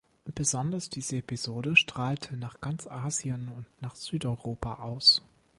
Besonders diese Episode strahlte nach ganz Asien und nach Südeuropa aus.